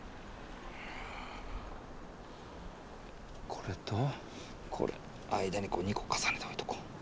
これとこれ間にこう２個重ねて置いとこう。